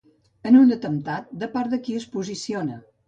En un atemptat, de part de qui es posiciona?